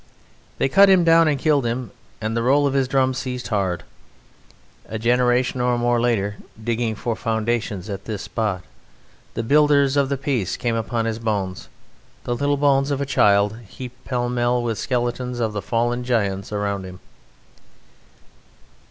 They cut him down and killed him, and the roll of his drum ceased hard. A generation or more later, digging for foundations at this spot, the builders of the Peace came upon his bones, the little bones of a child heaped pell mell with skeletons of the fallen giants round him.